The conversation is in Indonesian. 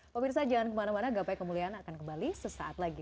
pemirsa jangan kemana mana gapai kemuliaan akan kembali sesaat lagi